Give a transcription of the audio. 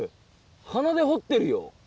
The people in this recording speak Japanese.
鼻で掘ってるよ。